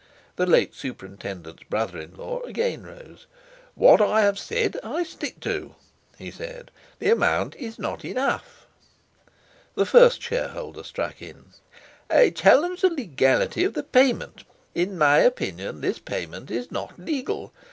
The late superintendent's brother in law again rose: "What I have said I stick to," he said; "the amount is not enough!" The first shareholder struck in: "I challenge the legality of the payment. In my opinion this payment is not legal.